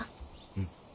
うん。